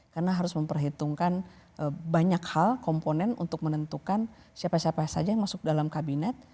karena harus memperhitungkan banyak hal komponen untuk menentukan siapa siapa saja yang masuk dalam kabinet